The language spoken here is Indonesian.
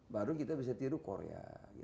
baru kita bisa tiru korea